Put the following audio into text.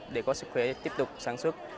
để có sức khỏe tiếp tục sản xuất